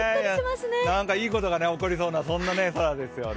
何かいいことが起こりそうなそんな空ですよね。